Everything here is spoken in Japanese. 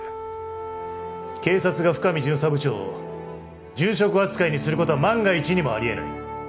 警察が深海巡査部長を殉職扱いにする事は万が一にもあり得ない。